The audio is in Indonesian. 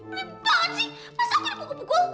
penat banget sih pas aku dipukul pukul